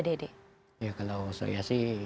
dedek ya kalau saya sih